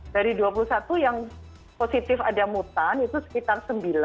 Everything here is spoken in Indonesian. dari dua puluh satu yang positif ada mutan itu sekitar sembilan